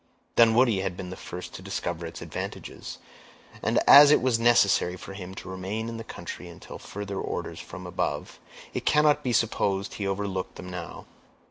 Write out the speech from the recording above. Dunwoodie had been the first to discover its advantages, and as it was necessary for him to remain in the county until further orders from above, it cannot be supposed he overlooked them now.